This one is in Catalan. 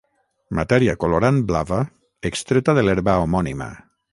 Matèria colorant blava extreta de l'herba homònima.